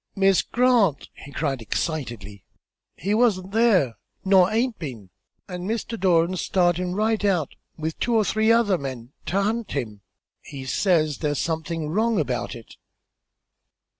"Miss Grant," he cried, excitedly, "he wa'n't there, nor haint been; an' Mr. Doran's startin' right out, with two or three other men, to hunt him. He says there's somethin' wrong about it."